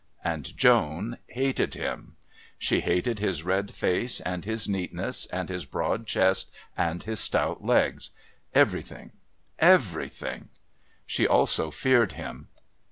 And Joan hated him; she hated his red face and his neatness and his broad chest and his stout legs everything, everything! She also feared him.